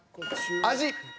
「味」。